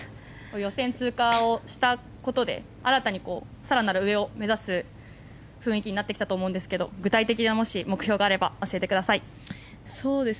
予選通過をしたことで新たに更なる上を目指す雰囲気になってきたと思うんですけど具体的な、もし目標があれば教えてください。